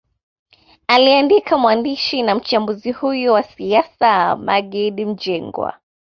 Aliandika mwandishi na mchambuzi huyo wa siasa Maggid Mjengwa